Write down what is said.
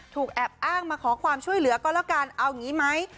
แอบอ้างมาขอความช่วยเหลือก็แล้วกันเอาอย่างนี้ไหม